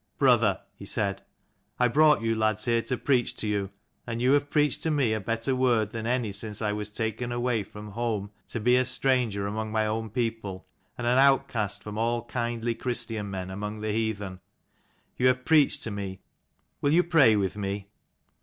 " Brother," he said, "I brought you lads here to preach to you, and you have preached to me a better word than any since I was taken away from home to be a stranger among my own people, and an outcast from all kindly Christian men among the heathen. You have preached to me ; will you pray with me?